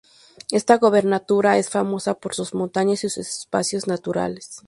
Esta gobernatura es famosa por sus montañas y sus espacios naturales.